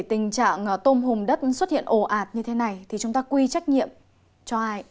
tình trạng tôm hùm đất xuất hiện ồ ạt như thế này thì chúng ta quy trách nhiệm cho ai